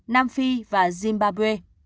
nam phi và zimbabwe